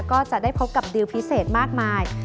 ก็จะได้พบกับดิวพิเศษมากมาย